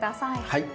はい。